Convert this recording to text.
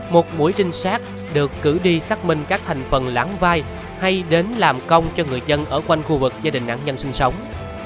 một mũi trinh sát được cử đi xác minh các thành phần lãng vai hay đến làm công cho người dân ở quanh khu vực gia đình nạn nhân sinh sống